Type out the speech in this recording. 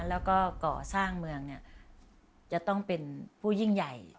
แล้วก็ก่อสร้างเมืองเนี่ยจะต้องเป็นผู้ยิ่งใหญ่